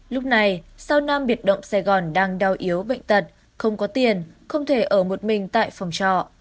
lúc này sau nam biệt động sài gòn đang đau yếu bệnh tật không có tiền không thể ở một mình tại phòng trọ